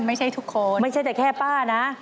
ไม่ใช่แต่แค่ป้านะ